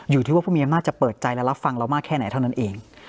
อยู่ที่ว่าผู้มีอำนาจจะเปิดใจและรับฟังเรามากแค่ไหนเท่านั้นเอง